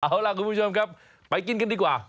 เอาล่ะคุณผู้ชมครับไปกินกันดีกว่า